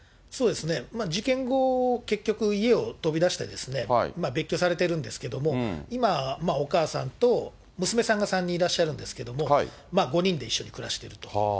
事件後、結局、家を飛び出して、別居されてるんですけれども、今、お母さんと娘さんが３人いらっしゃるんですけれども、５人で一緒に暮らしていると。